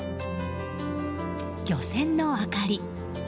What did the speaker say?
漁船の明かり。